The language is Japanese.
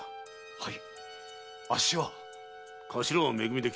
はい。